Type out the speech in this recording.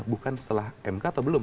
bukan setelah mk atau belum